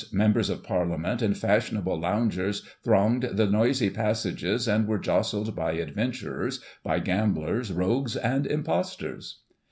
Members of Parliament, and fashionable loungers thronged the noisy passages, and were jostled by adventurers, by gamblers, rogues and imposters.'